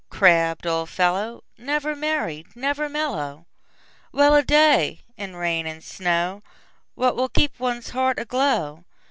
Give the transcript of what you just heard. crabbed old fellow, Never merry, never mellow! Well a day! in rain and snowWhat will keep one's heart aglow?